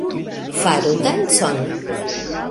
Faru dancon